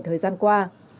thời gian qua